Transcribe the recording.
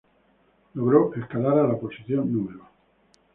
Logró escalar a la posición No.